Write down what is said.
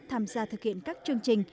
tham gia thực hiện các chương trình